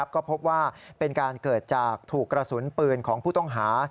ก็พบว่าเป็นการเกิดจากถูกกระสุนปืนของผู้ต้องหา